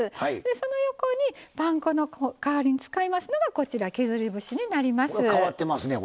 その横にパン粉の代わりに使いますのが削り節になります。